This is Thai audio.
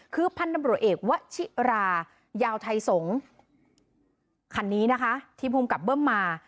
คือพันธบรวจเอกวชิรายาวไทยสงศ์คันนี้นะคะที่ภูมิกับเบิ้มมา